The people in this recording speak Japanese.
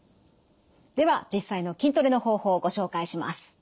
では実際の筋トレの方法をご紹介します。